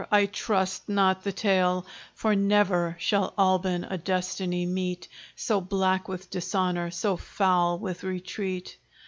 I trust not the tale: For never shall Albin a destiny meet So black with dishonor, so foul with retreat.